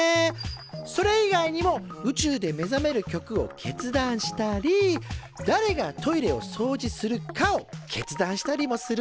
それ以外にも宇宙で目覚める曲を決断したりだれがトイレをそうじするかを決断したりもするんだ。